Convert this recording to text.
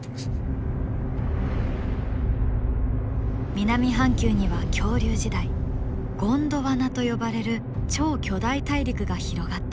南半球には恐竜時代ゴンドワナと呼ばれる超巨大大陸が広がっていた。